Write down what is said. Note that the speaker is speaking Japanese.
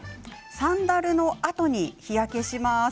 サンダルの跡に日焼けします。